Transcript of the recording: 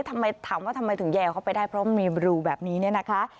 ทำไมถามว่าทำไมถึงแย่เข้าไปได้เพราะมันมีรูแบบนี้เนี่ยนะคะ